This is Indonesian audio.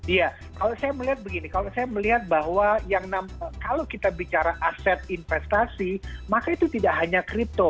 iya kalau saya melihat begini kalau saya melihat bahwa yang kalau kita bicara aset investasi maka itu tidak hanya kripto